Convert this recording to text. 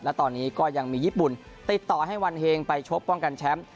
และตอนนี้ก็ยังมีญี่ปุ่นติดต่อให้วันเฮงไปชกป้องกันแชมป์